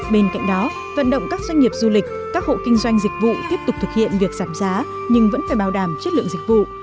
bên cạnh đó vận động các doanh nghiệp du lịch các hộ kinh doanh dịch vụ tiếp tục thực hiện việc giảm giá nhưng vẫn phải bảo đảm chất lượng dịch vụ